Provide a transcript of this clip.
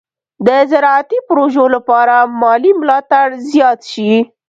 د زراعتي پروژو لپاره مالي ملاتړ زیات شي.